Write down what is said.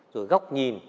rồi góc nhìn